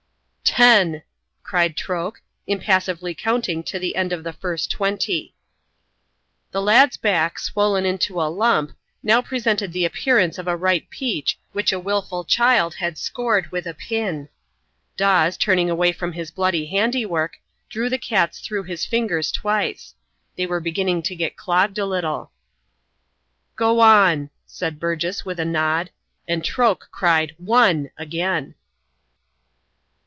"Ten!" cried Troke, impassively counting to the end of the first twenty. The lad's back, swollen into a lump, now presented the appearance of a ripe peach which a wilful child had scored with a pin. Dawes, turning away from his bloody handiwork, drew the cats through his fingers twice. They were beginning to get clogged a little. "Go on," said Burgess, with a nod; and Troke cried "Wonn!" again.